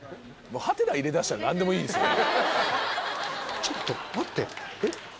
ハテナ入れだしたら何でもいいですよね。